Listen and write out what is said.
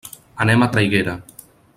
Anem a Traiguera.